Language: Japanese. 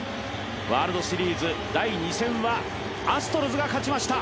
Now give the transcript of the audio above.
ワールドシリーズ第２戦はアストロズが勝ちました。